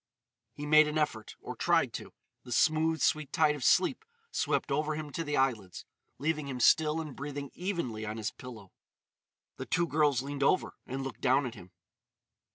He made an effort—or tried to: the smooth, sweet tide of sleep swept over him to the eyelids, leaving him still and breathing evenly on his pillow. The two girls leaned over and looked down at him.